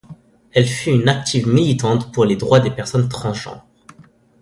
Elle fut une active militante pour les droits des personnes transgenres.